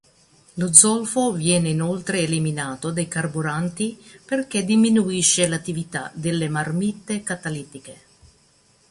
Lo zolfo viene inoltre eliminato dai carburanti perché diminuisce l'attività delle marmitte catalitiche.